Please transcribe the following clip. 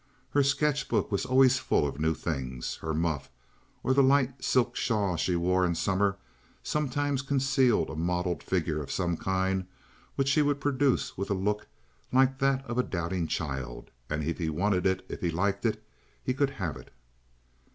Her sketch book was always full of new things. Her muff, or the light silk shawl she wore in summer, sometimes concealed a modeled figure of some kind which she would produce with a look like that of a doubting child, and if he wanted it, if he liked it, he could have it.